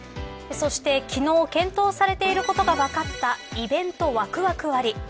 そして昨日検討されていることが分かったイベントワクワク割。